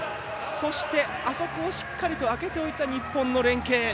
そして、しっかりとあけておいた日本の連係。